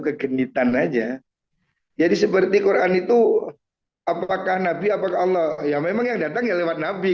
contoh saja jadi seperti quran itu apakah nabi apakah allah yang memang yang datangnya lewat nabi